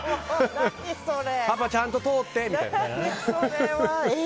パパ、ちゃんと通って！みたいな。